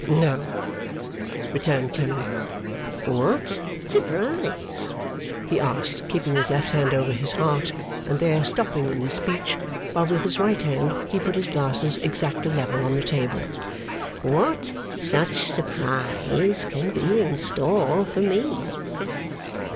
'No,' returned Clennam. 'What surprise,' he asked, keeping his left hand over his heart, and there stopping in his speech, while with his right hand he put his glasses exactly level on the table: 'what such surprise can be in store for me?